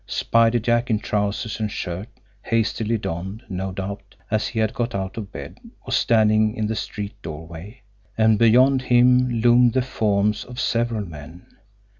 Spider Jack, in trousers and shirt, hastily donned, no doubt, as he had got out of bed, was standing in the street doorway, and beyond him loomed the forms of several men.